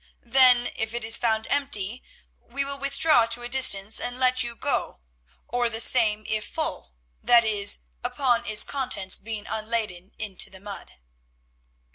Then, if it is found empty, we will withdraw to a distance and let you go, or the same if full, that is, upon its contents being unladen into the mud."